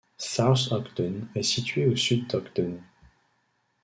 South Ogden est située au sud d'Ogden.